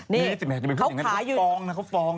นี่เขาฟองนะเขาฟอง